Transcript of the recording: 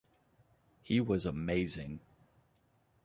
He was amazing.